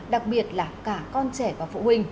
đặc biệt là cả con trẻ và phụ huynh